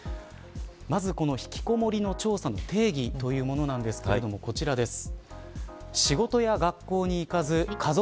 まず、このひきこもりの調査の定義というものなんですけれどもこちらです。